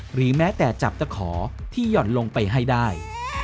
หรือแม้แต่จับตะขอที่หย่อนลงไปให้ได้